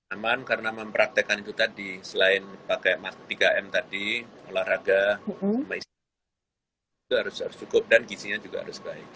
aman karena mempraktekan itu tadi selain pakai tiga m tadi olahraga sampai itu harus cukup dan gizinya juga harus baik